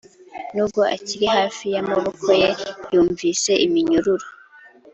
nubwo akiri hafi y'amaboko ye yumvise iminyururu.